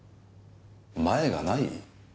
前がない？